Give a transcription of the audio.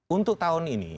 untuk tahun ini